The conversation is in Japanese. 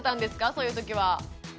そういうときは。